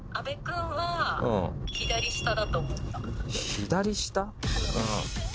左下？